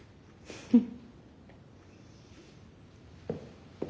フッ。